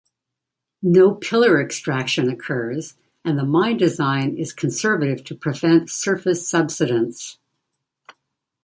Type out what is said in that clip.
No pillar extraction occurs, and the mine design is conservative to prevent surface subsidence.